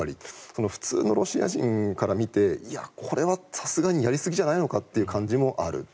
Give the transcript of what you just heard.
普通のロシア人から見てこれはさすがにやりすぎじゃないのかという感じもある。